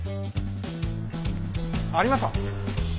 ありました。